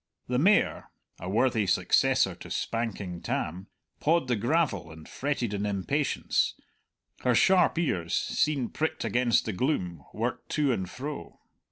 The mare (a worthy successor to Spanking Tam) pawed the gravel and fretted in impatience; her sharp ears, seen pricked against the gloom, worked to and fro.